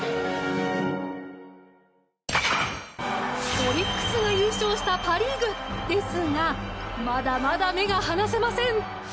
オリックスが優勝したパ・リーグですがまだまだ目が離せません。